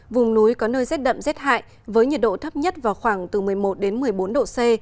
vùng núi có nơi rét đậm rét hại với nhiệt độ thấp nhất vào khoảng từ một mươi một đến một mươi bốn độ c